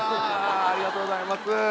ありがとうございます。